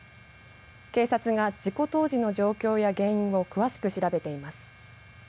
警察が事故当時の状況や原因を詳しく調べています。